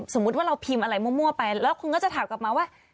สมมุติว่าเราพิมพ์อะไรมั่วไปแล้วคุณก็จะถามกลับมาว่า